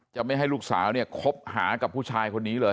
จะไม่ให้ลูกสาวเนี่ยคบหากับผู้ชายคนนี้เลย